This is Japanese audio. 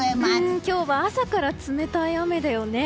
今日は朝から冷たい雨だよね。